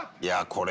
これ。